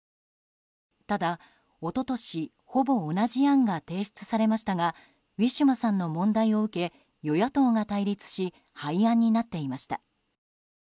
ただ、一昨年ほぼ同じ案が提出されましたがウィシュマさんの問題を受け与野党が対立し廃案になっていました。